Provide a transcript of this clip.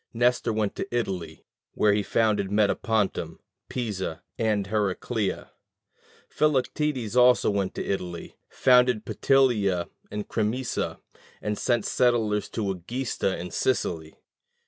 Nestor went to Italy, where he founded Metapontum, Pisa, and Heracleia: Philoctetes also went to Italy, founded Petilia and Crimisa, and sent settlers to Egesta in Sicily.